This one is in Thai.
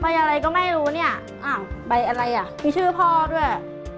อะไรก็ไม่รู้เนี่ยอ้าวใบอะไรอ่ะมีชื่อพ่อด้วย